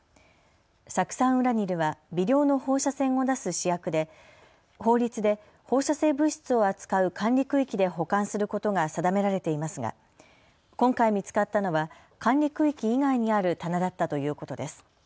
酢酸ウラニルは微量の放射線を出す試薬で法律で放射性物質を扱う管理区域で保管することが定められていますが今回見つかったのは管理区域以外にある棚だったということです。